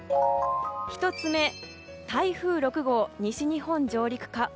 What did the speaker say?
１つ目、台風６号西日本上陸か。